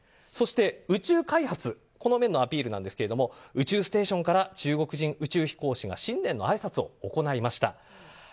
宇宙開発の面のアピールですが宇宙ステーションから中国人宇宙飛行士が新年のあいさつを行いました。